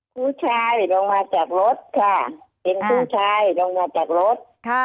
ผู้ชายลงมาจากรถค่ะเป็นผู้ชายลงมาจากรถ